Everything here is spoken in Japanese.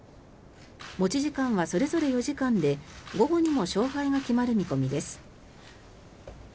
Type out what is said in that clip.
持ち時間はそれぞれ４時間で午後にも勝敗が決まる見込みです。